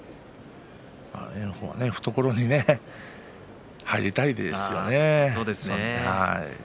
炎鵬は懐に入りたいですよね。